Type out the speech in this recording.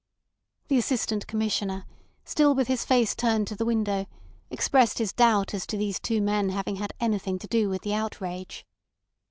The Assistant Commissioner, still with his face turned to the window, expressed his doubt as to these two men having had anything to do with the outrage.